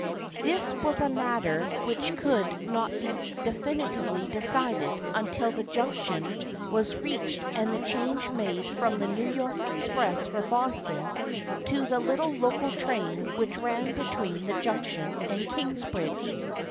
This was a matter which could not be definitely decided until the Junction was reached and the change made from the New York express for Boston to the little local train which ran between the Junction and Kingsbridge.